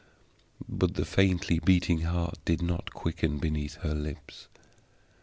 But the faintly beating heart did not quicken beneath her lips.